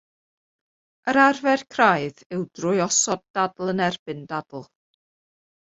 Yr arfer craidd yw drwy osod dadl yn erbyn dadl.